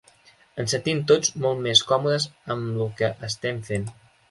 Ens sentim tots molt més còmodes amb lo que estem fent.